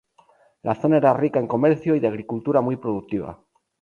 La zona era rica en comercio y de agricultura muy productiva.